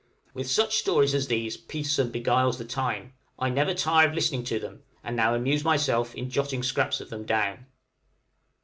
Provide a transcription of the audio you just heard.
With such stories as these Petersen beguiles the time; I never tire of listening to them, and now amuse myself in jotting scraps of them down.